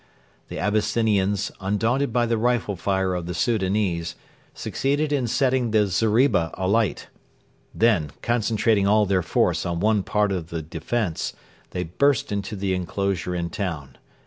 The Abyssinians, undaunted by the rifle fire of the Soudanese, succeeded in setting the zeriba alight. Then, concentrating all their force on one part of the defence, they burst into the enclosure and town.